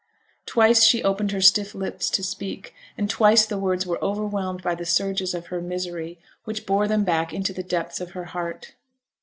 Twice she opened her stiff lips to speak, and twice the words were overwhelmed by the surges of her misery, which bore them back into the depths of her heart.